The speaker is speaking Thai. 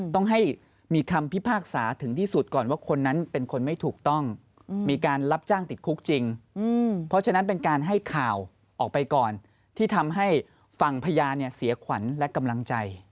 ต้องให้มีคำพิพากษาถึงที่สุดก่อนว่าคนนั้นเป็นคนไม่ถูกต้องมีการรับจ้างติดคุกจริงเพราะฉะนั้นเป็นการให้ข่าวออกไปก่อนที่ทำให้ฝั่งพญาเนี่ยเสียขวัญและกำลังใจ